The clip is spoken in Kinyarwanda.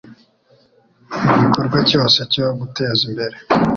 igikorwa cyose cyo guteza imbere,